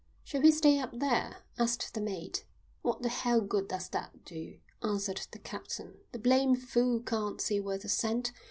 "Shall he stay up there?" asked the mate. "What the hell good does that do?" answered the captain. "The blame fool can't see worth a cent.